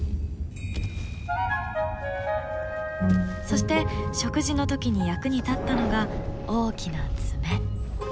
そして食事の時に役に立ったのが大きな爪。